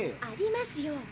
ありますよ。